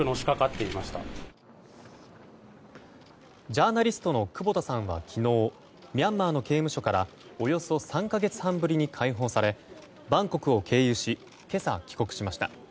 ジャーナリストの久保田さんは昨日ミャンマーの刑務所からおよそ３か月半ぶりに解放されバンコクを経由し今朝、帰国しました。